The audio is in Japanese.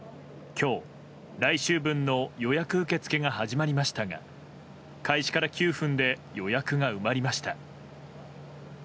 今日、来週分の予約受け付けが始まりましたが開始から９分で予約が埋まりました。